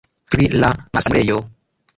Pri la malsanulejo.